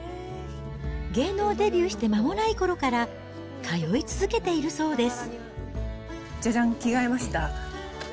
芸能デビューして間もないころから、通い続けているそうです。